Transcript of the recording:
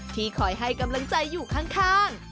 ที่คอยให้กำลังใจอยู่ข้าง